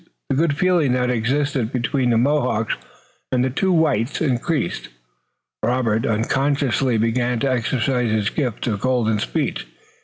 The good feeling that existed between the Mohawks and the two whites increased. Robert unconsciously began to exercise his gift of golden speech.